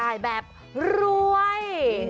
ได้แบบรวย